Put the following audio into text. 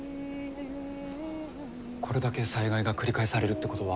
これだけ災害が繰り返されるってことは。